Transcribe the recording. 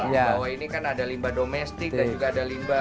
bahwa ini kan ada limbah domestik dan juga ada limbah